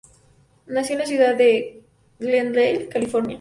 Nació en la ciudad de Glendale, California.